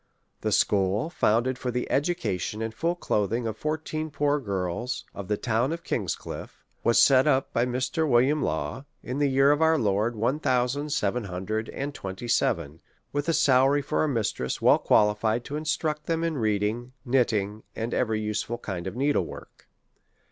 The school, founded for the education and full clothing of fourteen poor girls of the town of King's Cliffe, was set up by Mr. Wm. Law, in the year of our Lord, one thousand seven hundred and twenty seven, with a salary for a mistress well qualified to in struct them in reading, knitting, and .every useful kind of needle work.